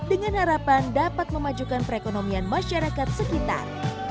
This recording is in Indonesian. dengan harapan dapat memajukan perekonomian masyarakat sekitar